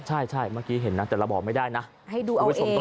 ใช่เมื่อกี้เห็นนะแต่เราบอกไม่ได้นะวิชันต้องดูเอาเอง